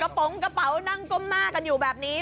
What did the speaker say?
กระโปรสกระเป๋านั่งก้มม่ากันอยู่แบบนี้